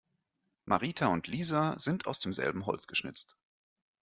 Marita und Lisa sind aus demselben Holz geschnitzt.